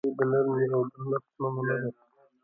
نجلۍ د نرمۍ او درنښت نمونه ده.